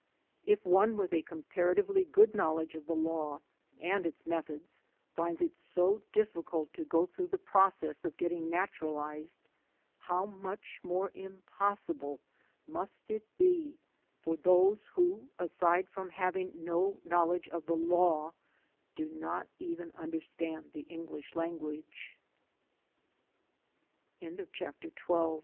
If one with a comparatively good knowledge of the law and its methods finds it so difficult to go through the process of getting naturalized, how much more impossible must it be for those who, aside from having no knowledge of the law, do not even under stand the Engli